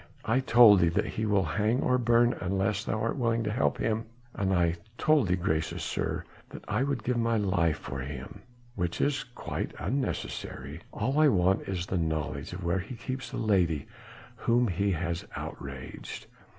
"I told thee that he will hang or burn unless thou art willing to help him." "And I told thee, gracious sir, that I would give my life for him." "Which is quite unnecessary. All I want is the knowledge of where he keeps the lady whom he has outraged."